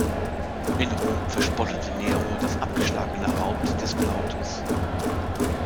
In Rom verspottete Nero das abgeschlagene Haupt des Plautus.